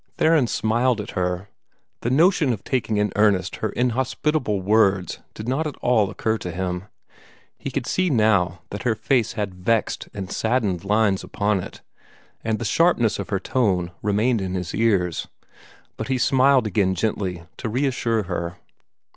Theron smiled at her. The notion of taking in earnest her inhospitable words did not at all occur to him. He could see now that her face had vexed and saddened lines upon it, and the sharpness of her tone remained in his ears. But he smiled again gently, to reassure her.